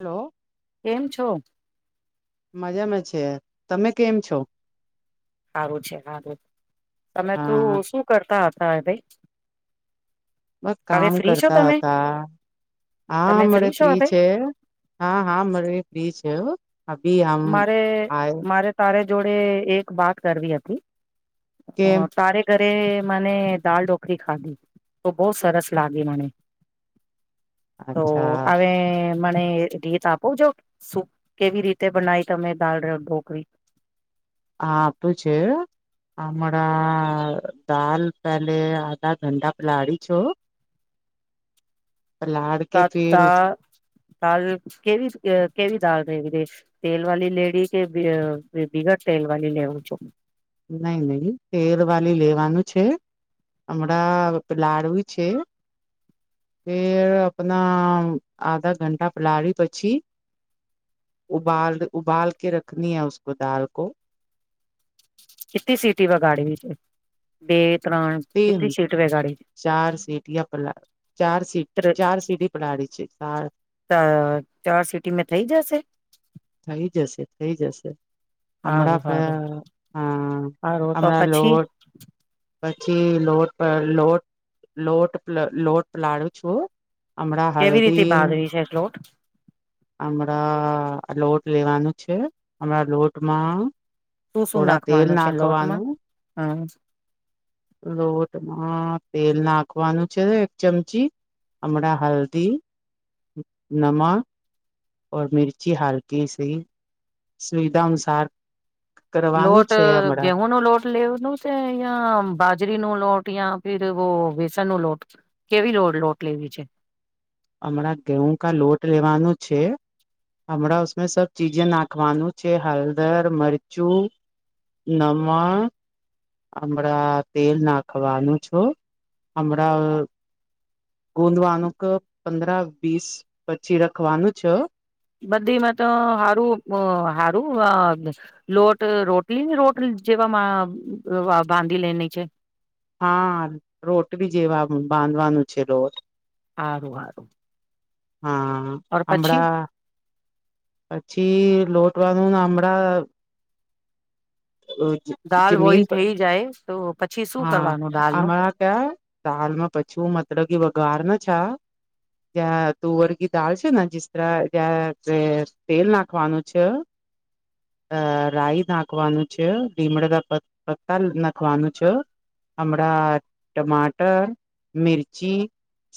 Hello. કેમ છો? મજામાં છે. તમે કેમ છો. [inaudible] છે સારું તમે તો હા શું કરતા હતા. હા [inaudible] બ કામ કરતા હતા હા તમે મરે છો ફ્રી હવે? છે, હા હા મરે ફ્રી છે. કેવ. મારે મારે તારે. જોડે એક વાત કરવી હતી. કેમ [inaudible] મને દાલ [unintelligible] કરી ખાધી તો બહ સરસ લાગી મને. તો અચ્છા આ [inaudible] મને રીત આપું જો શું કેવી રીતે. તે બનાઈ તમે દાલ [inaudible] [unintelligible] હાટું છે હમણાં દાલ પેલે આધા ધંધા પલાળી છો. પલાળ કે [unintelligible] ફેર દાલ કેવી કેવી દાલ [inaudible] તેલ વાળી લેડી કે બીગર તેલ વાળી લો [unintelligible] નહી નહી તેલ વાળલી લેવાનું છે, હમણાં પલાળવી છે, તેેર આપણા આધા ઘંટા પલાળી પછી ઉબાલ ઉબાલ કે [unintelligible] દાલ. [inaudible] [unintelligible] સીટી વગાડવી [inaudible] કેટલી [unintelligible] સીટ વગાડી ચાર સીટી [inaudible] ચારી ચાર સીટી પલાળી છે, ચાર ચાર સીટી મેં થઈ જશે થઈ જશે. થઈ જશે. સારું [inaudible] ફે સારું હ સારું તો પછી આપણા [unintelligible] પછી લોટ [inaudible] લોટ લોટ લોટ પ લડું. [unintelligible] [inaudible] કેવી રીતે બાજરી છે લોટ આ લોટ લેવાનું છે, હમણાં લોટમાં. શું શું થોડા તેલ નાખવાનું છે, લોટમાં નાખવાનું [unintelligible] લોટમાં તેલ નાખવાનું છે, એક ચમચી હમણાં હલ્દી. નમાં. [inaudible] મિર્ચી હાલકી [unintelligible] સુવિધા [inaudible] લોટ છે હમણાં ગેહં ન લોટ લેવનું છે, યા બાજરીનું લોટ યા. [unintelligible] વ્યસન [inaudible] લોટ કેવી લોટ લેવી છે. [inaudible] ગેહૂ કા લોટ લેવાનું છે, [unintelligible] [inaudible] ચીજે નાખવાનું છે, હલદર મરચું નમક. હમણાં તેલ નાખવાનું છો હમણાં ગુંદવાનું પંદર વીસ પછી રખવાનું છે. બધીમાં તો [inaudible] લોટ રોટલી ને રોટ જેવામાં બાંધી લેની છે. હા [inaudible] બી જેવા બાંધવાનું છે, [inaudible] હારું હારું. હા [inaudible] પછી લોટવાનું નામડા. અહ દાલ જમીન બોઈલ પર, થઈ જાય તો પછી શું હા કરવાનું દાલનું આમણાં ક્યા, દાળમાં પછું મતળગી વઘાર ન અચ્છા [unintelligible] તુઅર કી દાળ છે ને જીસ તરહ [unintelligible] તે તેલ નાખવાનું છ, અહ રાય નાખવાનું છ, લીમડા કા પ પત્તા નાખવાનું છ, હમણા ટમાટર, મિર્ચી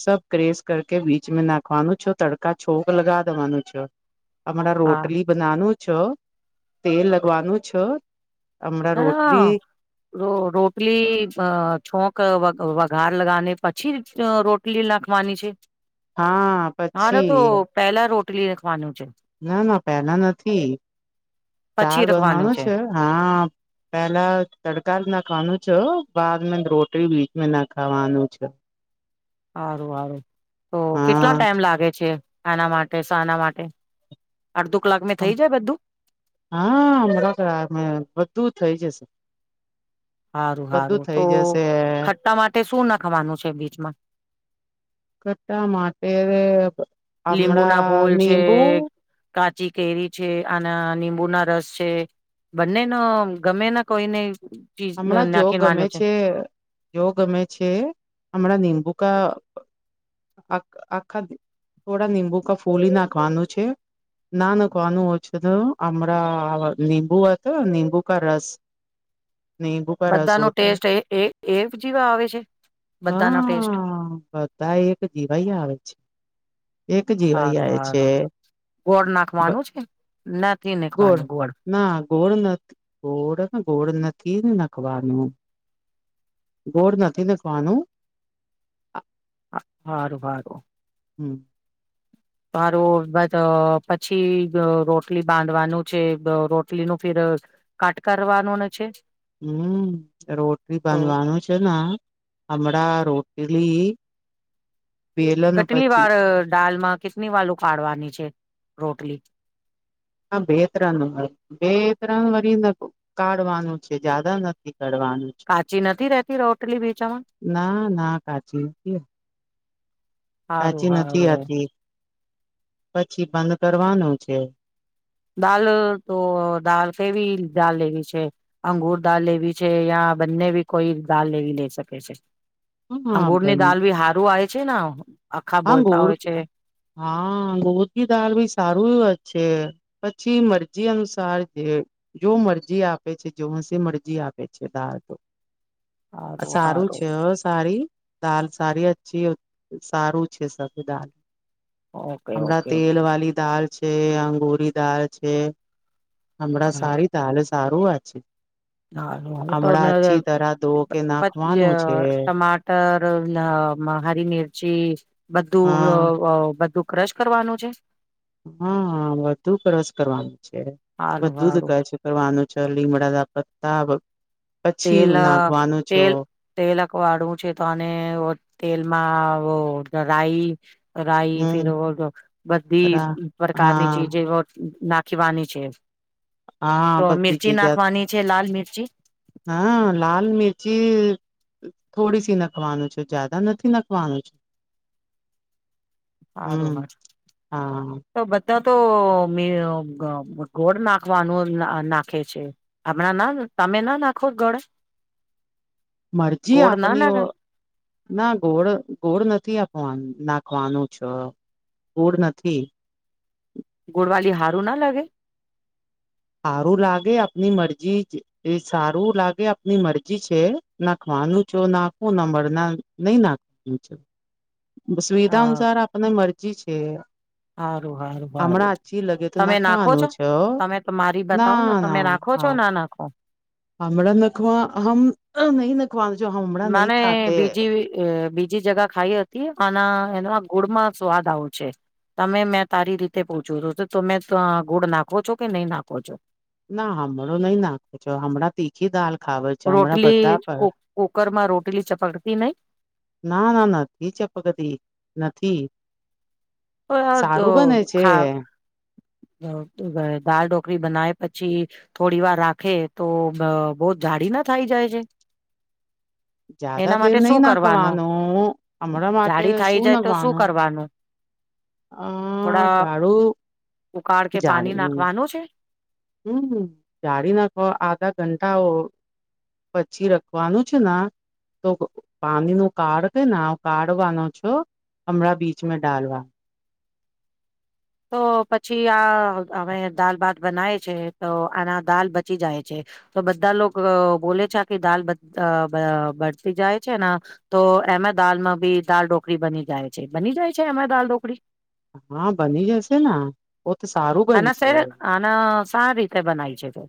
સબ ક્રેસ કર કે બીચ મેં નાખ વાનું છ, તડકા છોક લગાવ દેવાનું છો. હમણાં હા રોટલી બનાનું છ, તેલ લગવાનું છ. ના, ના ર રોટલી અહ છોક વક વક ઘાર લગાને પછી જ રોટલી નાખવાની છે. હા પછી. લી નખવાનું ના-ના પેહલા નથી, પછી દાળ રખવાનું બનવાનું છે, હા. પેલા તડકા જ ના ખાવાનું છે બાદ રોટલી બીજ ના ખાવાનું છે સારું સારું તો કેટલા હા ટાઈમ લાગે છે આના માટે શાના માટે અડધો કલાક મેં થઈ જાય બધું હા અમરા બધું થઇ જશે. સારું બધું સારું થઈ તો જશે ખટ્ટા માટે શું નાખવાનું છે બીચમાં કટા [inaudible] લીંબુ ના હમણાં ફૂલ છે નીંબુ કાચ કાચી કેરી છે આના નીબુંના રસ છે બંને ન ગમે ના કોઈને ચીજ હમણાં જો નાખીને ગમે માન્યું છે જો ગમે છે હમણાં નિબુ આખા થોડા નિંબુ ક ફૂલી નાખવાનું છે. ના નાખવાનું ઓછું તો હમણાં નિંબુ હત નીંબુ કા રસ નીબુકા રસ બધાનો હોતા ટેસ્ટ એ એ એ જેવા આવે છે બધાનો ટેસ્ટ હા બધા એક જીવાઈ આવે છે એક જીવાઈ હારું આવે છે હારું ગોળ નાખવાનું છે નથી ગોળ નાખવાનું ના ગોળ નથી ગોળ ગોળ નથી નખવાનું ગોળ નથી નાખવાનું. હા રું હા રું હમ. હારું પછી રોટલી બાંધવાનું છે રોટલીનું ફિર કટ કરવાનું ન છે. હમ રોટલી તો બનવાનું છે ને હમણાં રો પળી કેટલી વાર દાલમાં કેટલી વાલ ઉકાળવાની છે? રોટલી? હા બે ત્રણ બે ત્રણ વીને કાઢવાનું છે જ્યાદા નથી. ચડવાનું છે, કાચી નથી રેતી રોટલી બીચામાં ના ના કાચી કે હારું કાચી નથી હારું આતી. પછી બંધ કરવાનું છે. દાલ તો દળ કેવી દાલ લેવી છે અંગુર દાલ લેવી છે યા બંને બી કોઈ દાલ લેવી લઈ શકે છે. હા અંગુર ની દાલ ભી હારું આય. છે ના. હા ગોળ હા ગોળ ક દાળ ભી સારું એ જ છે. પછી મરજી અનુસાર જે જો મરજી આપે છે જો હશે મરજી આપે છે દાર. હારું સારું હારું છે સારી. દાલ સારી અચછી સારું. અચછે સ દા. ઓકે અણા ઓકે તેલ ઓકે વાી દ. છે અંગુરી દાળ છે. હમણા સારી તાલસ. સારું આ છે. હ તો હમણાં અચ્છી તરહ ધો કે નાખવાનું છે. ટમાટર. હરી મરચી. હા બધું બધું. ક્રશ કરવાનું છે. હા વધુ કરસ કરવાનું. હારું બધું જ ક હારું છે કરવાનું છે લીમડા પતા. તેલ તેલ તેલક વાળું છે તો અને તેલમાં. રાઈ. રઈ હમ ફર બધદી રા પ્રકારની હા ચીજ. નાખીવાની છે. હા તો બધી મિરચી ચીજા નાખવાની છે લાલ મિરચી. જી. હા લાલ મિરચી થોડી સી નાખવાનું છે જ્યાદા નથી નાખવાનું છે. સારું હમ હ હા તો બ. તો ગોળ નાખવાનું નાખે છે આપણાં ના તમે ના નાખો ગોળ. મરજી ના આપની ઓ નાખે ના ગોળ ગોળ નથી આપવાની. નાખવાનું છ ગૂળ નથી. ગુડવાલી હારું ના લગે. સારું લાગે આપની મરજી સારું લાગે આપની મરજી છે નાખવાનું છો નાખું ના મળના નહી નાખવાનું છે. સુવિધા અનુસાર આપને મરજી છે. સારું સારું હમણાં સારું અછી લગે તો તમે નાખો નાખવાનું છો છે તમે તો મારી બતાવો ને તમે નાખો છો ના નાખો. હમડા નખવા હમ નઈ. મને બીજી બીજી જગા ખાઈ હતી અનેના એ ગુળમાં સ્વાદ આવો છે, તમે મેં તારી રીતે પૂછવ હતું તોમેં ગુળ નાખો છો કે નહી નાખો છો? ના હમણાં નહી નાખો છો, હમણાં તીખી ખબર ચામડા બધા રોટલી પર, કુ કુકરમાં રોટલી ચપકતી નહી ના ના નથી ચપકતી નથી. તો સારું બને છે. દાળ ઢોકળલી બનાવે પછી, થોડી વાર રાખે તો બહ જાડી ના થાય જાય છે? એના જ્યાદા દર માટે નહી શું કરવાનું? નાખવાનું હમણાં માટે જાડી થઈ શું જાય તો નાખવાનું. કરવાનું અ થોડા જાડું ઉકાળ કે પાણી જાડું નાખવાનું છે? હમ જાળી નાખ આધા ઘંટા પછી રખવાનું છે, તો પાણી ન કાળ કે કાઢવાનો છો, હમણાં બીચમાં ડાલવા. તો પછી આ હવે દાલ ભાત બનાય છે તો આના દાલ બચી જાય છે, તો બધા લોકો બોલે છે આ કે દાલ બળતી જાય છેને, તો એમાં દાલમાં બી દાલ ઢોકળી બની જાય છે બની જાય છે એમાં દાલ ઢોકળી? હા બની જશે ના. અનેના આને સારી રીતે બનાય છે. તો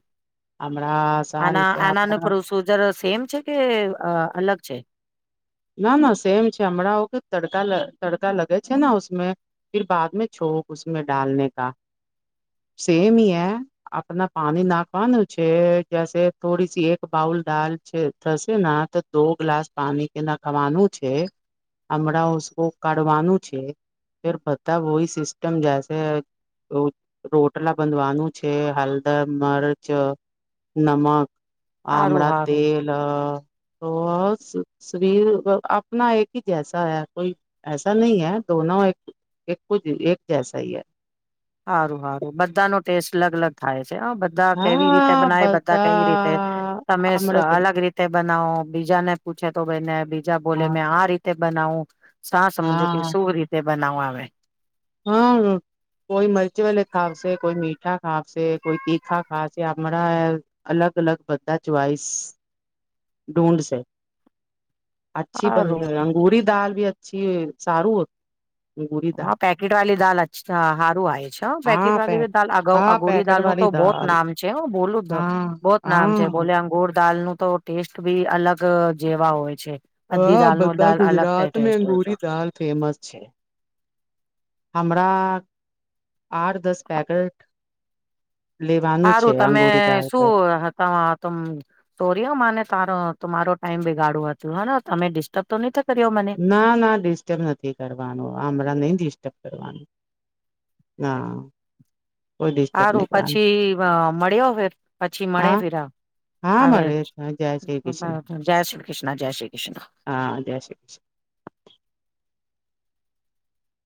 હમણાં સારી આના રીતે આનાનું આપણા પ્રોસીજર સેમ છે કે અલગ છે. ના ના સેમ છે હમણા ઓ કે તડકા તડકા લગે છે ને ઉમે ફિર બાદમે છોંકમે ડાલને કા સેમ હી હે આપના પાણી નાખવાનું છે જસે થોડી સી એક બાઉલ ડાલ છે થશે તો દો ગ્લાસ પાણી એ ના ખાવાનું છે હમણાં ઉકો કાઢવાનું છે ફે બધા વય સિસ્ટમ જસે રોટલા બંધવાનું છે હલદર મર્ચ નમક. આમળ હારું હારું તેલ. હસ. શરીર આપના એક હ જૈસા હૈ કોઈ એસાા નહી હૈ દોન એક એકજ એક જૈસા હ હૈ. હા રું હા રું બધા નો ટેસ્ટ અલગ અલગ થાય છે. બધા કેવી રીતે હા બનાય બધા કેવી રીતે તમે આમળે કે અલગ રીતે બનાવો બીજા ને પૂછે તો ભાઈને બીજા બોલે હા મેં આ રીતે. બનાવું. સા સમજો કે હા શું રીતે. બનાવ આવે. હા કોઈ મરચ વલે ખાવશે કોઈ મીઠા ખાવશે કોઈ તીખા ખાશે હણા અલગ અલગ બધા ચોઈસ. ઢૂંઢશે. અચછી હારું બન અંગૂરી દાલ. પછી સારું. અંગૂરી હા દાલ પેકેટ વાળલી દ સારું આવે છે પેકેટ હા પે વાળી દ હા અગોરી પેકેટ દાલનુંું તો વાલી બહત દાલ નામ છે હું બોલું હા બહત નામ છે હા બોલે અંગોર. દાલ નું તો ટેસ્ટ બી અલગ જેવા હોય. છે બધી હા દાલ નો બધા દાલ અલગ ગુજરાત મે ટેસ્ટ હોય છે અંગુરી દાલ ફેમસ છે. અમણા આઠ દસ પેકેટ લેવાનું હારું છે તમે અંગૂરી દાલ શું ત ત સોર્યો મને તારો તમારો ટાઈમ બિગાડુ હતું, હેંને તમે ડિસ્ટર્બ તો નઈ થ ના, ના ડિસ્ટર્બ નથી કરવાનું, અમણાં નઈ ડિસ્ટર્બ કરવાના, હા. હારું પછી વ મળ્યો પછી મળે હા ફિર આ હા આવે, મળે જય શ્રી કૃષ્ણ [unintelligible] જય શ્રી કૃષ્ણ, જય શ્રી કૃષ્ણ. હા જય શ્રી કૃષ્ણ